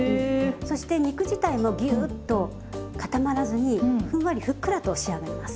そして肉自体もギューッと固まらずにふんわりふっくらと仕上がります。